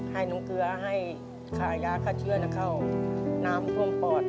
ให้น้องเกลือให้ขายยาฆ่าเชื้อเข้าน้ำท่วมปอด